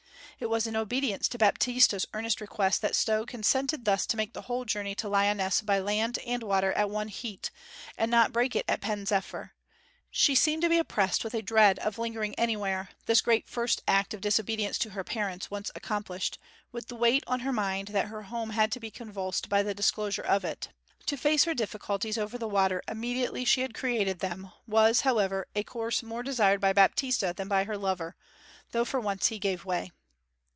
It was in obedience to Baptista's earnest request that Stow consented thus to make the whole journey to Lyonesse by land and water at one heat, and not break it at Pen zephyr; she seemed to be oppressed with a dread of lingering anywhere, this great first act of disobedience to her parents once accomplished, with the weight on her mind that her home had to be convulsed by the disclosure of it. To face her difficulties over the water immediately she had created them was, however, a course more desired by Baptista than by her lover; though for once he gave way.